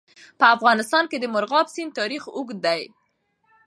په افغانستان کې د مورغاب سیند تاریخ اوږد دی.